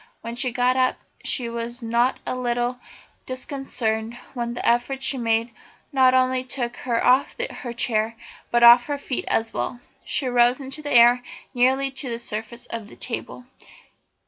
When she got up she was not a little disconcerted when the effort she made not only took her off her chair but off her feet as well. She rose into the air nearly to the surface of the table.